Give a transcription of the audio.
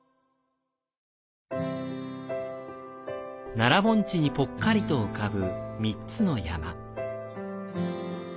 奈良盆地にぽっかりと浮かぶ３つの山。